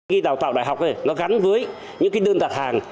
khi đào tạo đại học thì nó gắn với những đơn đặt hàng